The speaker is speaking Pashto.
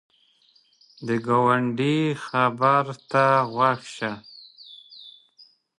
د ګاونډي خبر ته غوږ شه